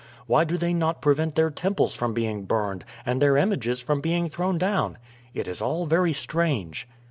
Why do they not prevent their temples from being burned and their images from being thrown down? It is all very strange."